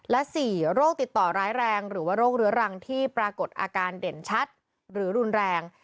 และ๔โรคติดต่อร้ายแรงหรือว่าโรคเรื้อรังที่ปรากฏอาการเด่นชัดหรือรุนแรง